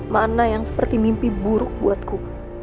makna yang seperti mimpi buruk buatku